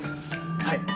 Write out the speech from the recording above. はい。